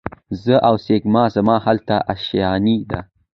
زه اوسېږمه زما هلته آشیانې دي